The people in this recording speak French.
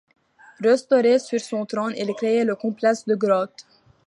Restauré sur son trône, il crée le complexe de grottes.